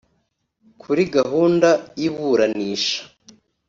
Kuri gahunda y’iburanisha